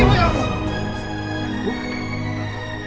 ibu ya ampun